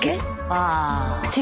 ああ。